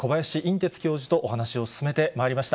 てつ教授とお話を進めてまいりました。